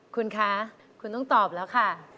คุณคะคุณต้องตอบแล้วค่ะ